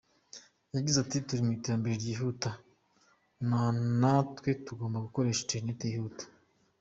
Yagize ati “Turi mu iterambere ry’ihuta natwe tugomba gukoresha interineti yihuta.